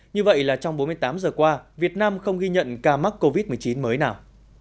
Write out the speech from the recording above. như vậy là trong bốn mươi tám giờ qua việt nam không ghi nhận ca mắc covid một mươi chín mới nào